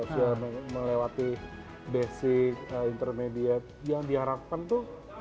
sudah melewati basic intermediate yang diharapkan tuh